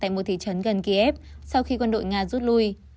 tại một thị trấn gần kiev sau khi quân đội nga rút lui